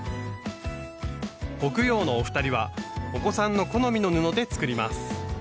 北陽のお二人はお子さんの好みの布で作ります。